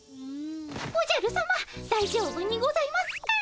おじゃるさまだいじょうぶにございますか？